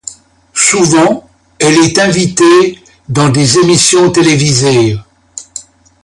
Souvent, elle est invitée dans des émissions télévisées.